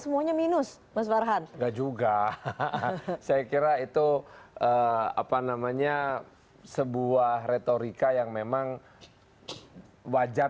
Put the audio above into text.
semuanya minus mas farhan enggak juga saya kira itu apa namanya sebuah retorika yang memang wajar